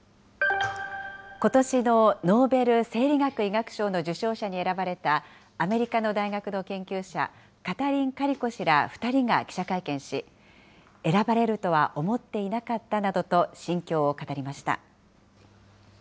ことしのノーベル生理学・医学賞の受賞者に選ばれた、アメリカの大学の研究者、カタリン・カリコ氏ら２人が記者会見し、選ばれるとは思っていなかったなどと心境を語りました。